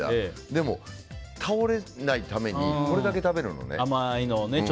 でも、倒れないためにこれだけ食べるのね。